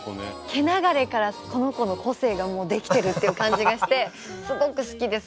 毛流れからこの子の個性がもうできてるっていう感じがしてすごく好きです。